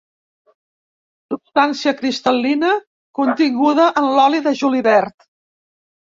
Substància cristal·lina continguda en l'oli de julivert.